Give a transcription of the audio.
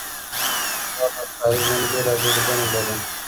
کډوال او ښاري ژوند بېلابېلې بڼې لري.